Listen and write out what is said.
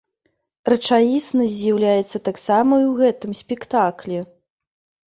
Рэчаіснасць з'яўляецца таксама і ў гэтым спектаклі.